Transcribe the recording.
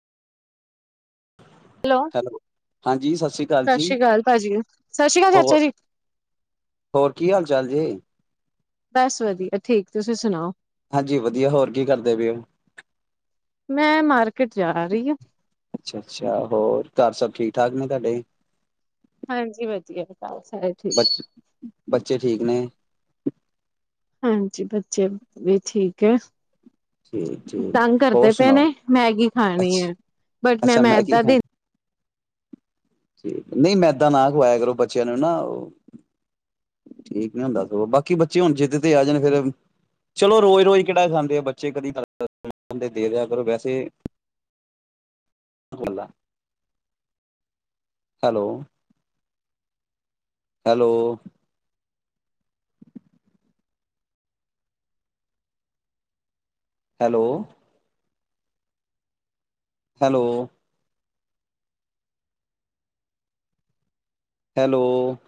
hello ਹਾਂਜੀ ਸਤਿ ਸ਼੍ਰੀ ਅਕਾਲ ਜੀ ਸ੍ਰੀ ਅਕਾਲ ਭਾਜੀ ਸਤਿ ਸ੍ਰੀ ਅਕਾਲ ਹੋਰ ਚਾਚਾ ਜੀ ਹੋਰ ਕੀ ਹਾਲ ਚਾਲ ਜੇ ਬਸ ਵਧੀਆ ਠੀਕ ਤੁਸੀਂ ਸੁਣਾਓ ਹਾਂਜੀ ਵਧੀਆ ਹੋਰ ਕੀ ਕਰਦੇ ਪਏ ਹੋ ਮੈਂ ਮਾਰਕੀਟ ਜਾ ਰਹੀ ਹਾਂ ਅੱਛਾ ਅੱਛਾ ਹੋਰ ਘਰ ਸਭ ਠੀਕ ਠਾਕ ਨੇ ਤੁਹਾਡੇ ਹਾਂਜੀ ਵਧੀਆ ਘਰ ਸਾਰੇ ਠੀਕ ਬੱਚੇ ਠੀਕ ਨੇ ਹਾਂਜੀ ਬੱਚੇ ਵੀ ਠੀਕ ਹੈ ਠੀਕ ਠੀਕ ਤੰਗ ਹੋਰ ਕਰਦੇ ਪਏ ਸੁਣਾਓ ਨੇ ਮੈਗੀ ਖਾਣੀ ਹੈ ਅੱਛਾ ਬਟ ਮੈਂ ਮੈਦਾਂ ਦਿ ੀ ਨਹੀਂ ਮੈਦਾ ਨਾ ਖਵਾਇਆ ਕਰੋ ਬੱਚਿਆਂ ਨੂੰ ਨਾ ਉਹ ਠੀਕ ਨੀ ਹੁੰਦਾ ਸਗ ਬਾਕੀ ਬੱਚੇ ਹੁਣ ਜਿੱਦ ਤੇ ਆ ਜਾਣ ਫਰ ਚਲੋ ਰੋਜ਼ ਰੋਜ਼ ਕਿਹੜਾ ਖਾਂਦੇ ਆ ਬੇ ਬੱਚੇ ਕਦੀ ਗਦੇ ਦੇ ਦਿਆ ਕਰੋ ਵੈਸੇ hello hello hello hello hello